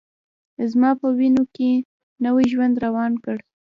زما په وینوکې نوی ژوند روان کړ